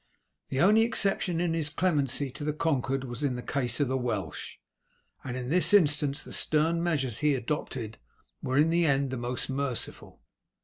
The only exception in his clemency to the conquered was in the case of the Welsh, and in this instance the stern measures he adopted were in the end the most merciful.